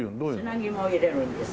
砂肝を入れるんです。